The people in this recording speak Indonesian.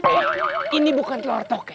eh ini bukan telor tokek